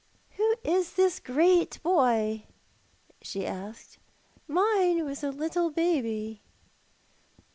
" Who is this great boy ?" she asked. " Mine was a little baby."